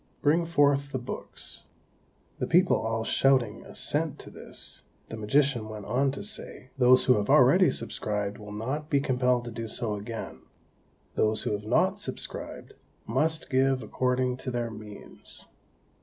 Bring forth the books." The people all shouting assent to this, the magician went on to say, "Those who have already subscribed will not be compelled to do so again; those who have not subscribed must give according to their means."